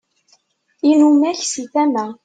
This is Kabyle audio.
inumak si tama